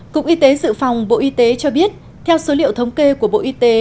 cục y tế dự phòng bộ y tế cho biết theo số liệu thống kê của bộ y tế